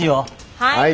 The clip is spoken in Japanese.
はい。